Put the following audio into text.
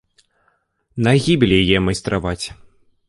На гібель яе майстраваць.